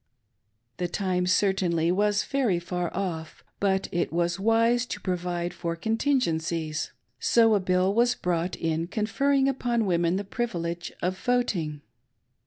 The time, certainly, was very far off, but it was wise to provide for con tingencies. So a bill was brought in conferring upon women the privilege of voting.